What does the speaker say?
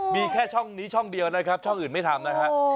มีแค่ช่องนี้ช่องเดียวนะครับช่องอื่นไม่ทำนะฮะ